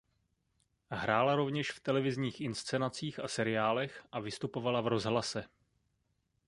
Hrála rovněž v televizních inscenacích a seriálech a vystupovala v rozhlase.